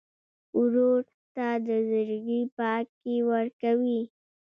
ورور ته د زړګي پاکي ورکوې.